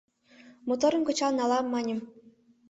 Моторым кычал налам маньым